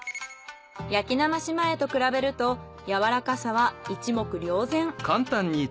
焼きなまし前と比べるとやわらかさは一目瞭然。